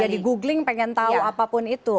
jadi googling pengen tahu apapun itu